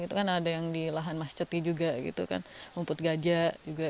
itu kan ada yang di lahan masjid juga rumput gajah juga